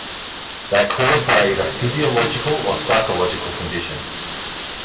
They are caused by either physiological or psychological conditions.